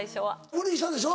無理したでしょ？